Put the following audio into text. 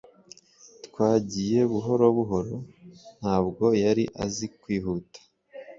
Twagiye buhoro buhoro ntabwo yari azi kwihuta